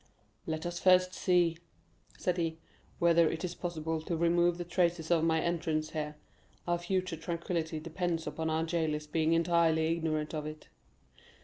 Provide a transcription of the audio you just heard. "Let us first see," said he, "whether it is possible to remove the traces of my entrance here—our future tranquillity depends upon our jailers being entirely ignorant of it."